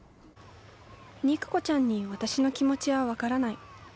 肉子ちゃんに私の気持ちは分からない。